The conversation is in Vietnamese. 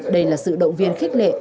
đây là sự động viên khích lệ